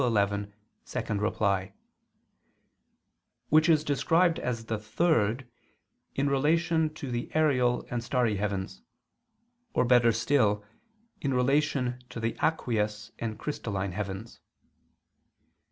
11, ad 2], which is described as the "third," in relation to the aerial and starry heavens, or better still, in relation to the aqueous and crystalline heavens.